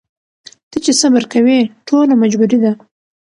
ته چي صبر کوې ټوله مجبوري ده